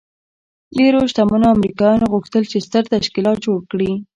ډېرو شتمنو امريکايانو غوښتل چې ستر تشکيلات جوړ کړي.